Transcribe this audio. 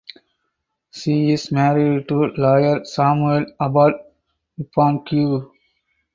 She is married to lawyer Samuel Abad Yupanqui.